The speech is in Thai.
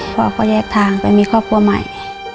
พ่อก็แยกทางไปมีครอบครัวใหม่